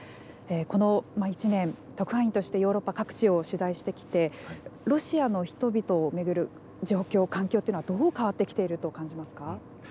この１年特派員としてヨーロッパ各地を取材してきてロシアの人々を巡る状況環境というのはどう変わってきていると感じますか。